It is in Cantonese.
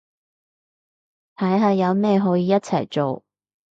睇下有咩可以一齊做